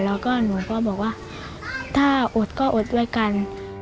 แล้วก็หนูก็บอกว่าถ้าอดก็อดด้วยกัน